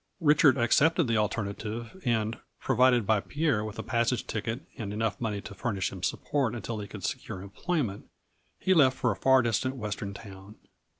Richard accepted the alter native, and, provided by Pierre with a passage ticket and enough money to furnish him sup port until he could secure employment, he left for a far distant western town.